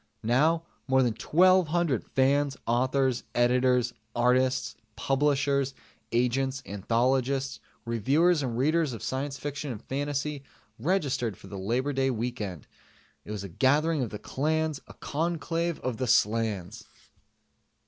Now more than twelve hundred fans, authors, editors, artists, publishers, agents, anthologists, reviewers and readers of science fiction and fantasy registered for the Labor Day Weekend gathering of the clans, a conclave of the slans.